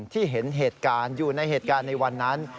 ที่เห็นเหตุการณ์อยู่ในเหตุการณ์ในวันนั้น